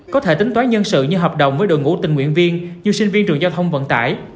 có thể tính toán nhân sự như hợp đồng với đội ngũ tình nguyện viên như sinh viên trường giao thông vận tải